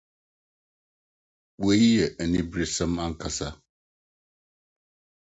Eyi yɛ aniberesɛm ankasa.